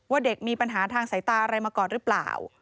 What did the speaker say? เด็กมีปัญหาทางสายตาอะไรมาก่อนหรือเปล่า